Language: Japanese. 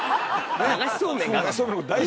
流しそうめんが？